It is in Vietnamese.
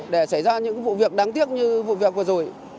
để xảy ra những vụ việc đáng tiếc như vụ việc vừa rồi